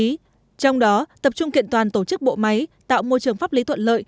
trong đó tập trung kiện toàn tổ chức bộ máy tạo môi trường pháp lý thuận lợi